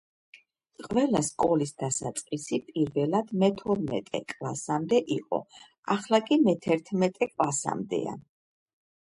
ყველა სკოლის დასაწყისი პირველად მეთორმეტე კლასამდე იყო, ახლა კი მეთერთმეტე კლასამდეა